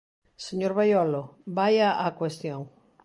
Señor Baiolo, vaia á cuestión.